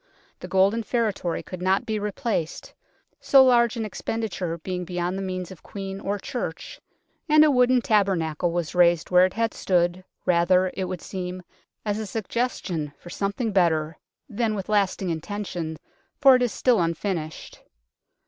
The golden feretory could not be replaced, so large an expenditure being beyond the means of Queen or Church, and a wooden tabernacle was raised where it had stood, rather, it would seem, as a suggestion for something better than with lasting intention, for it is still unfinished.